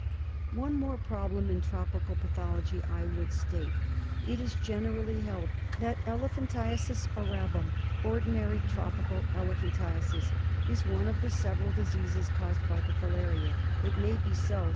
One more problem in tropical pathology I would state. It is generally held that elephantiasis arabum, ordinary tropical elephantiasis, is one of the several diseases caused by the filaria. It may be so.